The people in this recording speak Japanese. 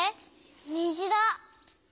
にじだ！